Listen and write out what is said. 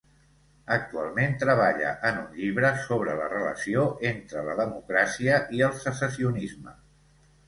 Actualment treballa en un llibre sobre la relació entre la democràcia i el secessionisme.